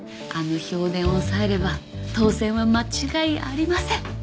あの票田を押さえれば当選は間違いありません。